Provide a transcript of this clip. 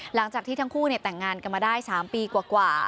หลังจากที่ทั้งคู่แต่งงานกันมาได้๓ปีกว่า